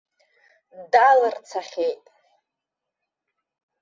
Далырцахьеит!